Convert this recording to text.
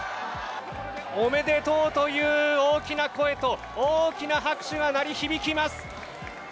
おめでとうという大きな声と大きな拍手が鳴り響きます。